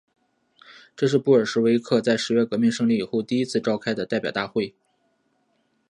这是布尔什维克在十月革命胜利以后第一次召开的代表大会。